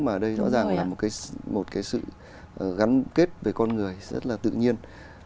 mà đây rõ ràng là một cái sự gắn kết về con người rất là tự nhiên